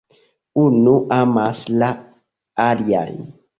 Unu amas la alian.